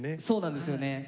そうなんですよね。